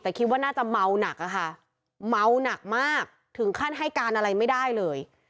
แต่คิดว่าน่าจะเมาหนักอะค่ะเมาหนักมากถึงขั้นให้การอะไรไม่ได้เลย